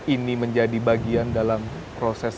ini menjadi bagian dalam proses